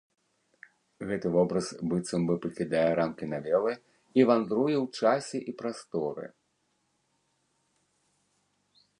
Гэты вобраз быццам бы пакідае рамкі навелы і вандруе ў часе і прасторы.